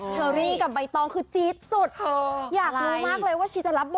เชอรี่กับใบต้องคือจี๊ดสุด